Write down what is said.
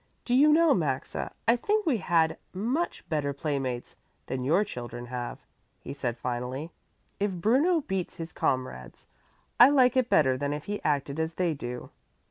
"Do you know, Maxa, I think we had much better playmates than your children have," he said finally. "If Bruno beats his comrades, I like it better than if he acted as they do."